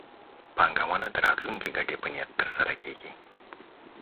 پانګونه د راتلونکي ګټې په نیت ترسره کېږي.